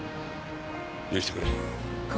許してくれ。